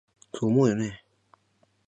そう思うよね？